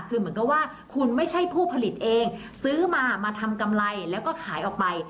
คือเหมือนกับว่าคุณไม่ใช่ผู้ผลิตเองซื้อมามาทำกำไรแล้วก็ขายออกไป